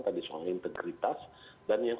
tadi soal integritas dan yang